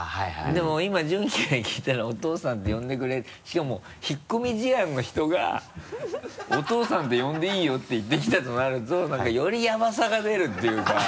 でも今ジュンキから聞いたら「お父さんと呼んでくれ」しかも引っ込み思案の人が「お父さんて呼んでいいよ」って言ってきたとなるとなんかよりヤバさが出るっていうか。